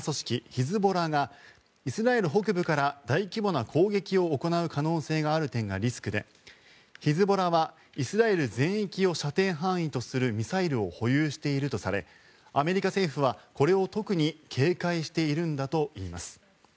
ヒズボラがイスラエル北部から大規模な攻撃を行う可能性がある点がリスクで、ヒズボラはイスラエル全域を射程範囲とするミサイルを保有しているとされアメリカ政府はこれを特に警戒しているんだといいます。